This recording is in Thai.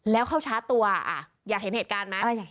แล้วเข้าชาร์จตัวอยากเห็นเหตุการณ์ไหม